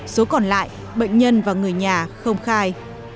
số còn lại bệnh nhân và người nhà không khai